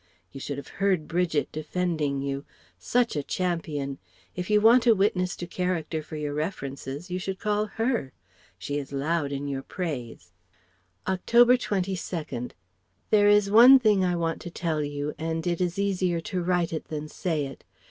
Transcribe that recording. You should have heard Bridget defending you! Such a champion. If you want a witness to character for your references you should call her! She is loud in your praise. October 22. There is one thing I want to tell you; and it is easier to write it than say it.